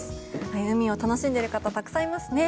海を楽しんでいる方がたくさんいますね。